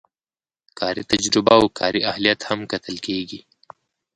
کاري تجربه او کاري اهلیت هم کتل کیږي.